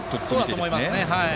そうだと思います。